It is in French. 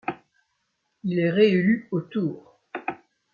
Il est réélu au tour.